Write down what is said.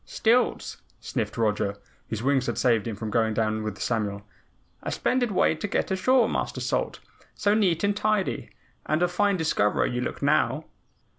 "Stilts!" sniffed Roger, whose wings had saved him from going down with Samuel. "A splendid way to get ashore, Master Salt, so neat and tidy. And a fine Discoverer you look now."